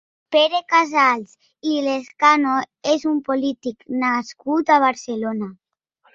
Pere Casals i Lezcano és un polític nascut a Barcelona.